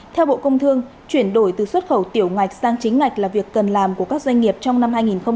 theo bộ công thương chuyển đổi từ xuất khẩu tiểu ngạch sang chính ngạch là việc cần làm của các doanh nghiệp trong năm hai nghìn hai mươi